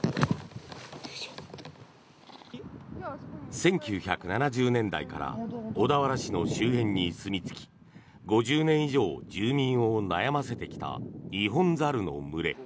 １９７０年代から小田原市の周辺にすみ着き５０年以上住民を悩ませてきたニホンザルの群れ。